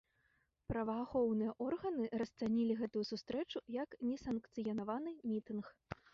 Праваахоўныя органы расцанілі гэтую сустрэчу як несанкцыянаваны мітынг.